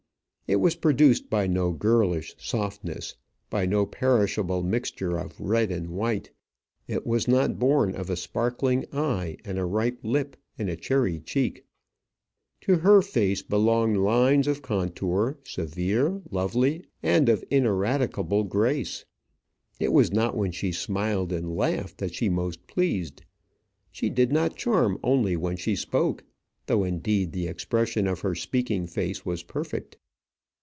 It was produced by no girlish softness, by no perishable mixture of white and red; it was not born of a sparkling eye, and a ripe lip, and a cherry cheek. To her face belonged lines of contour, severe, lovely, and of ineradicable grace. It was not when she smiled and laughed that she most pleased. She did not charm only when she spoke; though, indeed, the expression of her speaking face was perfect.